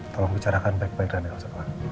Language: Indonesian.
tolong bicarakan baik baik dengan elsa pak